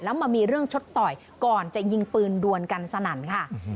แล้วมามีเรื่องชดต่อยก่อนจะยิงปืนดวนกันสนั่นค่ะ